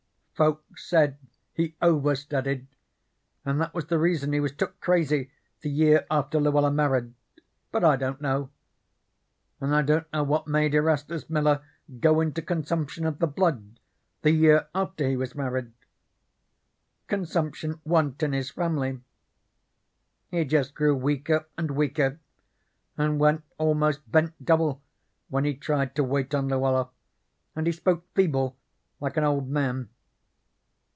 Folks said he overstudied, and that was the reason he was took crazy the year after Luella married, but I don't know. And I don't know what made Erastus Miller go into consumption of the blood the year after he was married: consumption wa'n't in his family. He just grew weaker and weaker, and went almost bent double when he tried to wait on Luella, and he spoke feeble, like an old man.